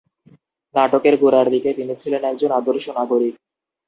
নাটকের গোড়ার দিকে তিনি ছিলেন একজন আদর্শ নাগরিক।